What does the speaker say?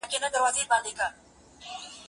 هغه وويل چي خواړه ورکول مهم دي؟!